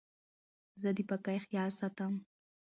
زه د پاکۍ خیال ساتم.